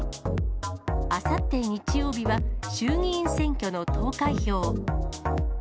あさって日曜日は、衆議院選挙の投開票。